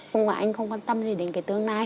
không phải anh không quan tâm gì đến cái tương lai